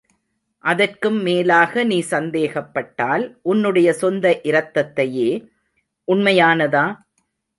அதற்கும் மேலாக நீ சந்தேகப்பட்டால் உன்னுடைய சொந்த இரத்தத்தையே, உண்மையானதா?